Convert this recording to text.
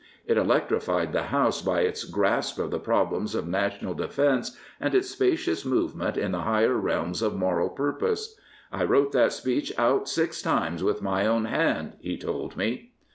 It electrified the House by its grasp of the problems of national defence and its spacious movement in the higher realm of moral purpose. I wrote that speech out six times with my own hand," he told me.